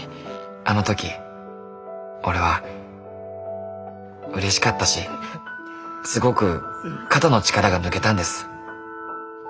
「あの時俺は嬉しかったしすごく肩の力が抜けたんです。